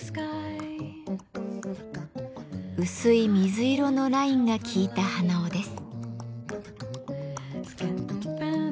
薄い水色のラインが効いた鼻緒です。